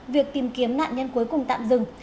việc tìm kiếm nạn nhân cuối cùng tạm dừng